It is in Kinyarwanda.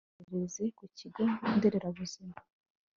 mwohereze ku kigo nderabuzima